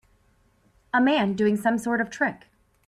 A man doing some sort of trick.